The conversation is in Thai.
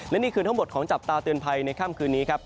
และนี่คือทั้งหมดของจับตาเตือนภัยในค่ำคืนนี้ครับ